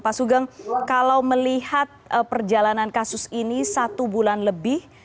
pak sugeng kalau melihat perjalanan kasus ini satu bulan lebih